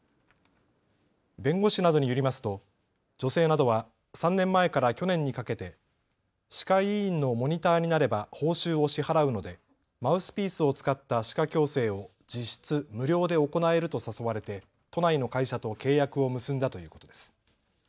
弁護士などによりますと女性などは３年前から去年にかけて歯科医院のモニターになれば報酬を支払うのでマウスピースを使った歯科矯正を実質無料で行えると誘われて都内の会社と契約を結んだということです。